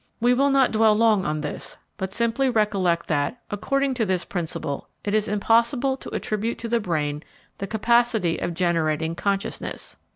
We will not dwell long on this, but simply recollect that, according to this principle, it is impossible to attribute to the brain the capacity of generating consciousness.